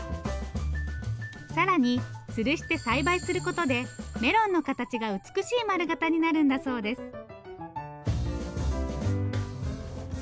更につるして栽培することでメロンの形が美しい丸型になるんだそうです。